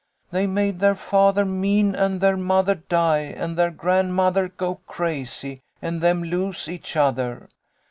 " They made their father mean and their mother die and their grandmother go crazy and them lose each other.